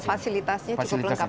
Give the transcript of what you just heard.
dan fasilitasnya cukup lengkap di sini